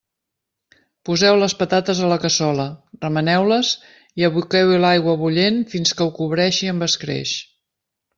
Poseu les patates a la cassola, remeneu-les i aboqueu-hi l'aigua bullent fins que ho cobreixi amb escreix.